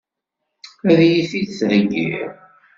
Ad iyi-t-id-theggiḍ?